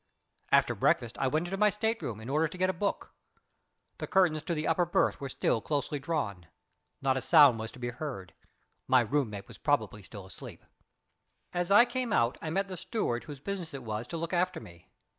After breakfast I went into my state room in order to get a book. The curtains of the upper berth were still closely drawn. Not a sound was to be heard. My room mate was probably still asleep. As I came out I met the steward whose business it was to look after me.